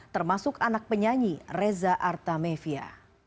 termasuk anak penyanyi reza artamevia